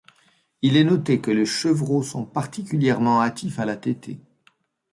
Il est noté que les chevreaux sont particulièrement actifs à la tétée.